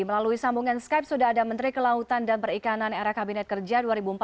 melalui sambungan skype sudah ada menteri kelautan dan perikanan era kabinet kerja dua ribu empat belas